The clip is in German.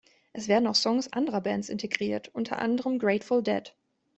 Es werden auch Songs anderer Bands integriert; unter anderem Grateful Dead.